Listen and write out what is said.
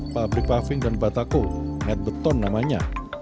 pabrik paving dan batako head beton namanya